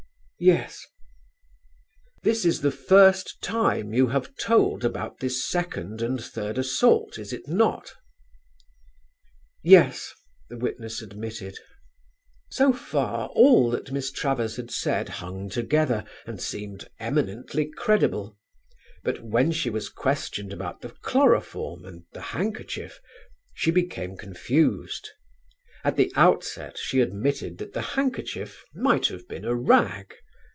"Yes." "This is the first time you have told about this second and third assault, is it not?" "Yes," the witness admitted. So far all that Miss Travers had said hung together and seemed eminently credible; but when she was questioned about the chloroform and the handkerchief she became confused. At the outset she admitted that the handkerchief might have been a rag.